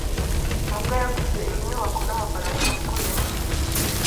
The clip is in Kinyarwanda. mabwa yaguze iyi nyubako namafaranga sekuru yamusigiye.